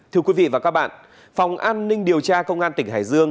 thưa quý vị và các bạn phòng an ninh điều tra công an tỉnh hải dương